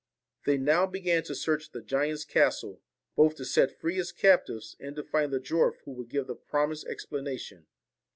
They now began to search the giant's castle, both to set free his captives and to find the dwarf who would give the promised explanation.